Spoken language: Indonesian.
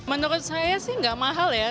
menurut saya sih nggak mahal ya